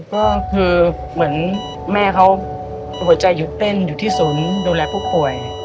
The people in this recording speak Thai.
ก็คือเหมือนแม่เขาหัวใจหยุดเต้นอยู่ที่ศูนย์ดูแลผู้ป่วย